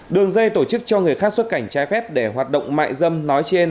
đường dây tổ chức cho người khác xuất cảnh trái phép để hoạt động mại dâm nói trên